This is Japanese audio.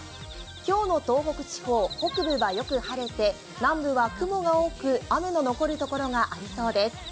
今日の東北地方、北部はよく晴れて南部は雲が多く雨の残るところがありそうです。